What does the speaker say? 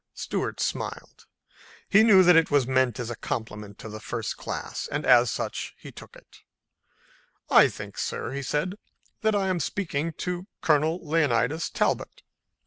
Stuart smiled. He knew that it was meant as a compliment of the first class, and as such he took it. "I think, sir," he said, "that I am speaking to Colonel Leonidas Talbot?"